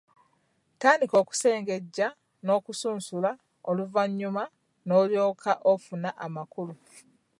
Tandika okusengejja n'okusunsula oluvannyuma n'olyoka ofuna amakulu.